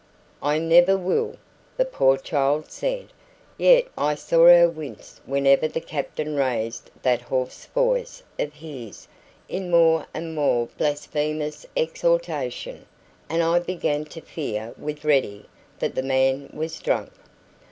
"I never will," the poor child said; yet I saw her wince whenever the captain raised that hoarse voice of his in more and more blasphemous exhortation; and I began to fear with Ready that the man was drunk.